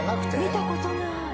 見たことない。